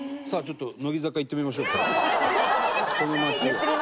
さあ、ちょっと乃木坂、いってみましょう。